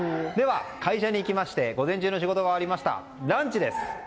会社に行きまして午前中の仕事が終わってランチです。